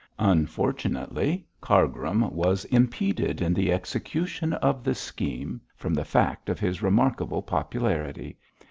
Unfortunately Cargrim was impeded in the execution of this scheme from the fact of his remarkable popularity.